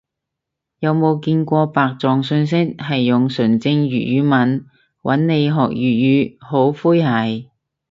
有冇見過白撞訊息係用純正粵語問，搵你學粵語？好詼諧